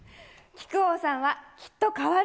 木久扇さんはきっと変わる。